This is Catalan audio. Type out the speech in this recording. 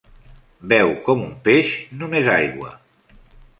Beu com un peix, només aigua.